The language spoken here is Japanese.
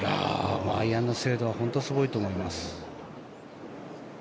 アイアンの精度は本当にすごいと思います。